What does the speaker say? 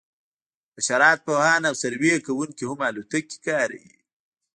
حشرات پوهان او سروې کوونکي هم الوتکې کاروي